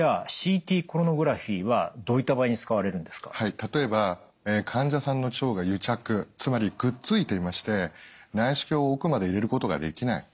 例えば患者さんの腸が癒着つまりくっついていまして内視鏡を奥まで入れることができない。